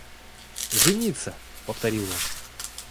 «Жениться! – повторил он.